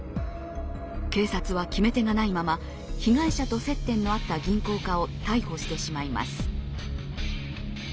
警察は決め手がないまま被害者と接点のあった銀行家を逮捕してしまいます。